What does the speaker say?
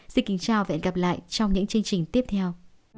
xin kính chào và hẹn gặp lại trong những chương trình tiếp theo